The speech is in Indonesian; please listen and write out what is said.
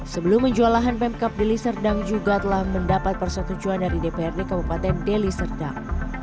sebelum penjualan pemkap deliserdang juga telah mendapat persetujuan dari dprd kebupaten deliserdang